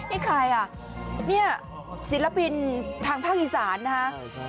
ไอ้ใครน่ะนี่ศิลปินทางภาคอีสานนะครับ